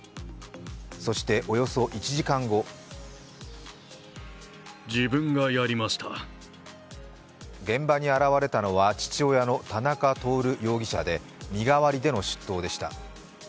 そして、およそ１時間後現場に現れたのは父親の田中徹容疑者で身代わりでの出頭でした。